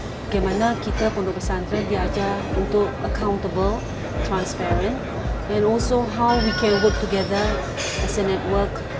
bagaimana kita pendukung pesantren diajar untuk accountable transparent and also how we can work together as a network